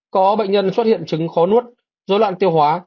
có bệnh nhân xuất hiện chứng khó nuốt dối loạn tiêu hóa